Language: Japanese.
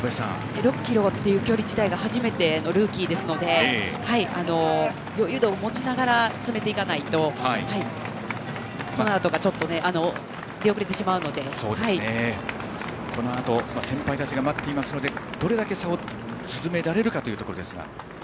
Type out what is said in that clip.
６ｋｍという距離自体が初めてのルーキーですので余裕を持ちながら進めていかないとこのあとがちょっとこのあと先輩たちが待っていますのでどれだけ差を詰められるか。